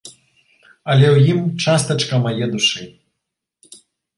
Але ў ім частачка мае душы.